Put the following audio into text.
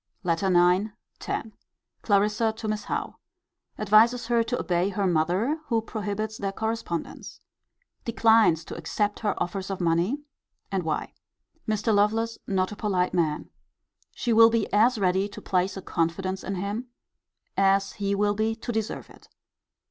LETTER IX. X. Clarissa to Miss Howe. Advises her to obey her mother, who prohibits their correspondence. Declines to accept her offers of money: and why. Mr. Lovelace not a polite man. She will be as ready to place a confidence in him, as he will be to deserve it.